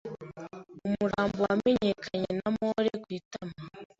Umurambo wamenyekanye na mole ku itama.